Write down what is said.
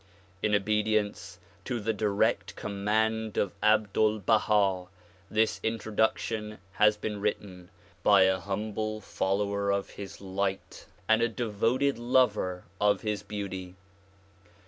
In obedience to the direct command of Abdul Baha, this Intro duction has been written by a humble follower of his light and a devoted lover of his beauty.